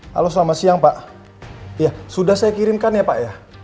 halo selamat siang pak sudah saya kirimkan ya pak ya